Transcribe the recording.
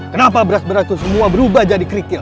kenapa beras beras itu semua berubah jadi kerikil